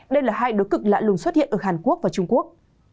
đây là hai đối cực lạ lùng xuất hiện ở hàn quốc và trung quốc